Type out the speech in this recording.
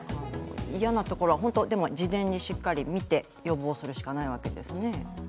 嫌なところは、事前にしっかり見て予防するしかないわけですね。